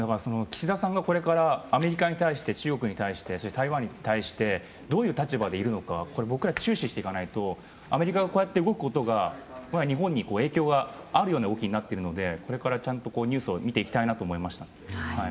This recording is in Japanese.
岸田さんがこれからアメリカに対して中国に対して台湾に対してどういう立場でいるのかこれは僕ら、注視していかないとアメリカが動くことが日本に影響があるような動きになっているのでこれからちゃんとニュースを見ていきたいと思いました。